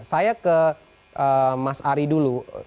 saya ke mas ari dulu